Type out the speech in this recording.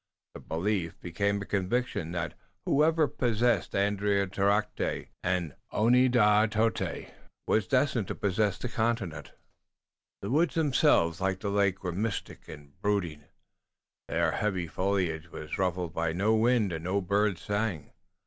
The belief became a conviction that whoever possessed Andiatarocte and Oneadatote was destined to possess the continent. The woods themselves, like the lake, were mystic and brooding. Their heavy foliage was ruffled by no wind, and no birds sang.